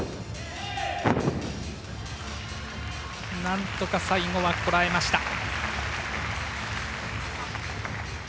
なんとか最後はこらえました。